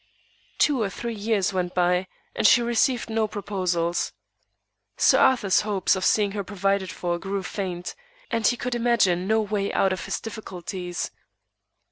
Two or three years went by, and she received no proposals. Sir Arthur's hopes of seeing her provided for grew faint, and he could imagine no way out of his difficulties.